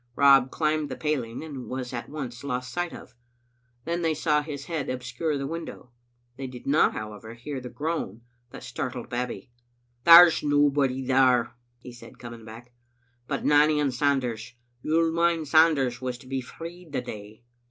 Rob climbed the paling, and was at once lost sight of. Then they saw his head obscure the window. They did not, however, hear the groan that startled Babbie. "There's nobody there," he said, coming back, "but Nanny and Sanders. You'll mind Sanders was to be freed the day."